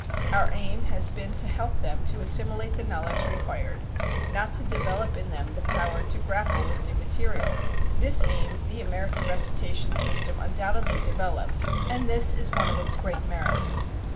Our aim has been to help them to assimilate the knowledge required, not to develop in them the power to grapple with new material. This aim the American recitation system undoubtedly develops, and this is one of its great merits.